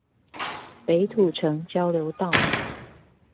北土城交流道